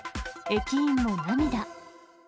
駅員も涙。